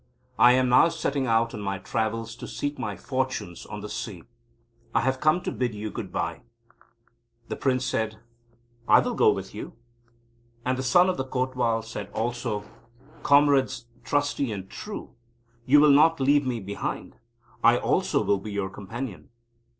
I am now setting out on my travels to seek my fortunes on the sea. I have come to bid you good bye." The Prince said; "I will go with you." And the Son of Kotwal said also: "Comrades, trusty and true, you will not leave me behind. I also will be your companion."